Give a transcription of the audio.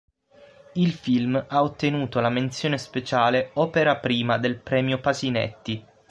Il film ha ottenuto la menzione speciale Opera Prima del Premio Pasinetti.